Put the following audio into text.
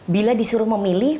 bila disuruh memilih